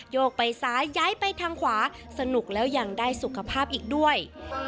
โยกไปซ้ายย้ายไปทางขวาสนุกแล้วยังได้สุขภาพอีกด้วย